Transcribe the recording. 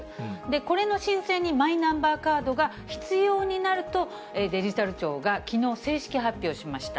これの申請にマイナンバーカードが必要になると、デジタル庁がきのう、正式発表しました。